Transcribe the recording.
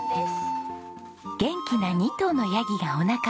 元気な２頭のヤギがお仲間。